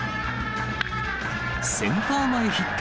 センター前ヒット。